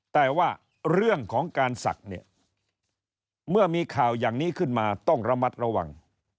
แต่ว่าเรื่องของการศักดิ์เนี่ยเมื่อมีข่าวอย่างนี้ขึ้นมาต้องระมัดระวัง